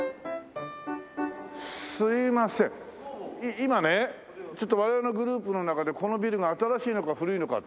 今ねちょっと我々のグループの中でこのビルが新しいのか古いのかって。